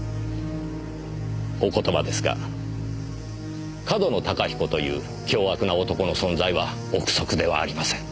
お言葉ですが上遠野隆彦という凶悪な男の存在は憶測ではありません。